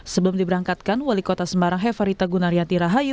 sebelum diberangkatkan wali kota semarang hefarita gunaryanti rahayu